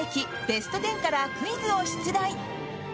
ベスト１０からクイズを出題。